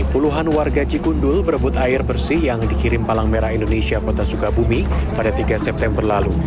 puluhan warga cikundul berebut air bersih yang dikirim palang merah indonesia kota sukabumi pada tiga september lalu